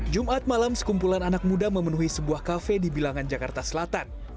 jumat malam sekumpulan anak muda memenuhi sebuah kafe di bilangan jakarta selatan